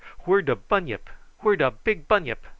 "Where de bunyip where de big bunyip?